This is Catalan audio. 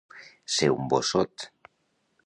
Ser un bossot.